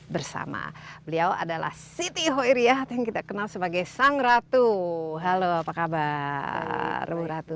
bersama beliau adalah siti hoiriah yang kita kenal sebagai sang ratu halo apa kabartu